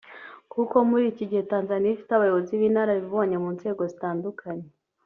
kuko muri iki gihe Tanzania ifite abayobozi b’inararibonye mu nzego zitandukanye